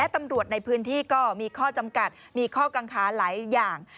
ตำรวจในพื้นที่ก็มีข้อจำกัดมีข้อกังขาหลายอย่าง